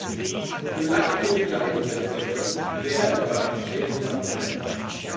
Für langwierige Einsätze verfügt die Wehr über einen schweren Wasserwerfer.